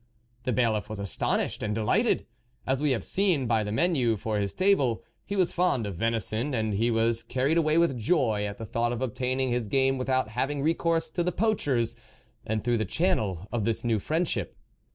The bailiff was astonished and de lighted. As we have seen, by the menu for his table, he was fond of venison, and he was carried away with joy at the thought of obtaining his game without having recourse to the poachers, and through the channel of this new friend ship.